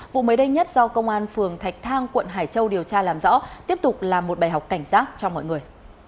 vụ mới đây nhất do công an phường thạch thang quận hải châu điều tra làm rõ tiếp tục là một bài học cảnh giác cho mọi người